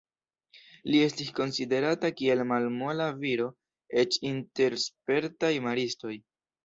Li estis konsiderata kiel malmola viro eĉ inter spertaj maristoj.